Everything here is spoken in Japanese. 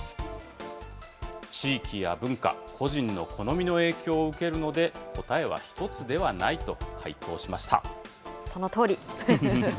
地域や文化、個人の好みの影響を受けるので、答えは１つではないそのとおり。